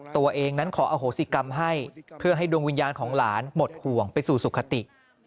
ตัวเองนั้นขออโหสิกรรมให้เพื่อให้ดวงวิญญาณของหลานหมดห่วงไปสู่สุขติ